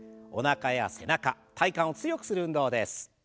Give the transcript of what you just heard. おなかや背中体幹を強くする運動です。